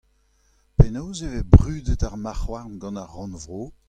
Penaos e vez brudet ar marcʼh-houarn gant ar Rannvro ?